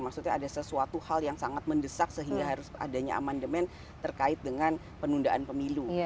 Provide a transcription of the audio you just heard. maksudnya ada sesuatu hal yang sangat mendesak sehingga harus adanya amandemen terkait dengan penundaan pemilu